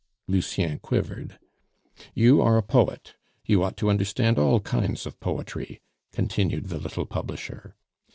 Lucien quivered. "You are a poet. You ought to understand all kinds of poetry," continued the little publisher.